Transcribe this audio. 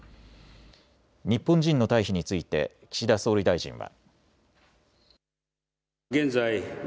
日本人の退避について岸田総理大臣は。